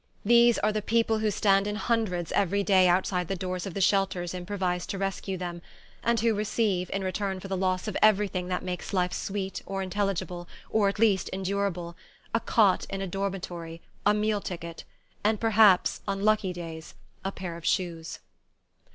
These are the people who stand in hundreds every day outside the doors of the shelters improvised to rescue them, and who receive, in return for the loss of everything that makes life sweet, or intelligible, or at least endurable, a cot in a dormitory, a meal ticket and perhaps, on lucky days, a pair of shoes...